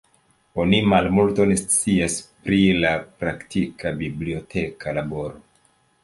Oni malmulton scias pri la praktika biblioteka laboro.